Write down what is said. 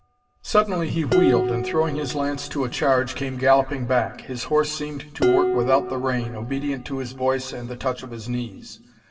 Suddenly he wheeled, and throwing his lance to a charge, came galloping back. His horse seemed to work without the rein, obedient to his voice and the touch of his knees.